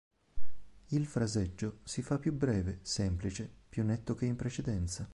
Il fraseggio si fa più breve, semplice, più netto che in precedenza.